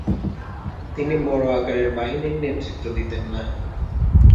তিনি বড় আকারের বাহিনীর নেতৃত্ব দিতেন না।